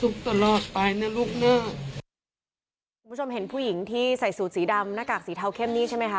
คุณผู้ชมเห็นผู้หญิงที่ใส่สูตรสีดำหน้ากากสีเทาเข้มนี่ใช่ไหมคะ